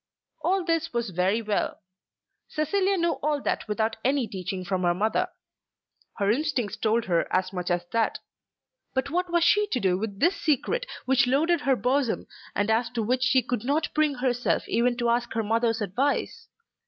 All this was very well. Cecilia knew all that without any teaching from her mother. Her instincts told her as much as that. But what was she to do with this secret which loaded her bosom, but as to which she could not bring herself even to ask her mother's advice?